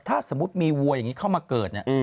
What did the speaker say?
ถ้าสมมุติมีวัวอย่างนี้เข้ามาเกิดเนี่ย